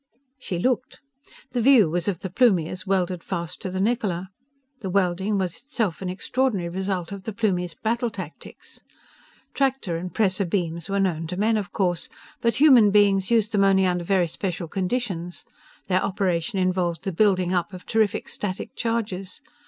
She looked. The view was of the Plumie as welded fast to the Niccola. The welding was itself an extraordinary result of the Plumie's battle tactics. Tractor and pressor beams were known to men, of course, but human beings used them only under very special conditions. Their operation involved the building up of terrific static charges.